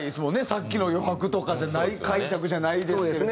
さっきの余白とかじゃない解釈じゃないですけれども。